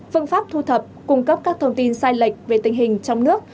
phương pháp thu thập cung cấp các thông tin sai lệch về tình hình trong nước